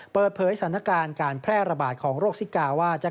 เปิดเผยสถานการณ์การแพร่ระบาดของโรคซิกาว่า